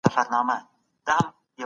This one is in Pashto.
له بخل او کینې څخه ځان وساتئ.